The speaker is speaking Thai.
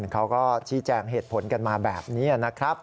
เขาก็ชี้แจงเหตุผลกันมาแบบนี้นะครับ